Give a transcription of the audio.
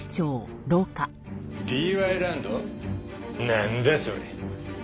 なんだ？それ。